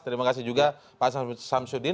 terima kasih juga pak samsudin